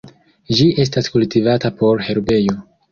Ĝi estas kultivata por herbejo.